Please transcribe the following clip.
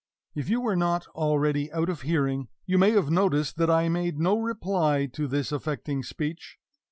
If you were not already out of hearing, you may have noticed that I made no reply to this affecting speech.